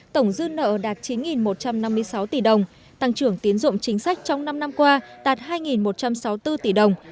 tổng dư nợ đạt chín một trăm năm mươi sáu tỷ đồng tăng trưởng tiến dụng chính sách trong năm năm qua đạt hai một trăm sáu mươi bốn tỷ đồng